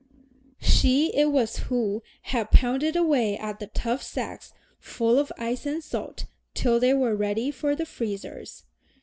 She it was who had pounded away at the tough sacks full of ice and salt till they were ready for the freezers.